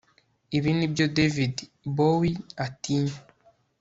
ibi nibyo david bowie atinya